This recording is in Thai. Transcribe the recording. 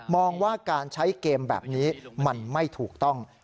ว่าการใช้เกมแบบนี้มันไม่ถูกต้อง